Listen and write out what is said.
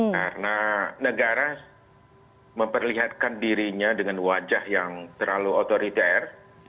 karena negara memperlihatkan dirinya dengan wajah yang terlalu otoriter